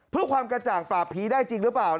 เพื่อความกระจ่างปราบผีได้จริงหรือเปล่า